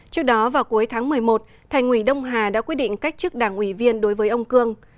trước đó vào cuối tháng một mươi một thành ủy đông hà đã quyết định cách chức đảng ủy viên đối với ông cương